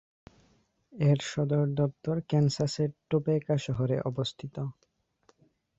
এর সদর দপ্তর ক্যানসাসের টোপেকা শহরে অবস্থিত।